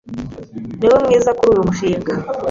Niwe mwiza kuri uyu mushinga.